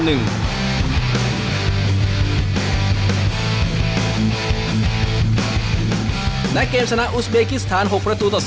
ในเกมชนะอุสเบคิสถาน๖ต่อ๓